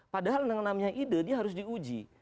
padahal yang namanya ide dia harus diuji